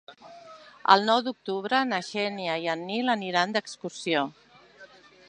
El nou d'octubre na Xènia i en Nil aniran d'excursió.